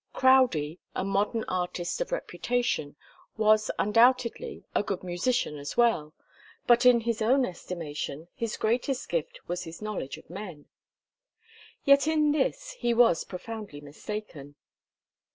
Crowdie, a modern artist of reputation, was undoubtedly a good musician as well, but in his own estimation his greatest gift was his knowledge of men. Yet in this he was profoundly mistaken.